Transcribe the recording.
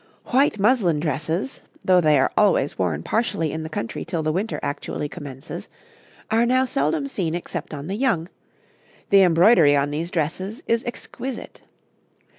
'White muslin dresses, though they are always worn partially in the country till the winter actually commences, are now seldom seen except on the young: the embroidery on these dresses is exquisite.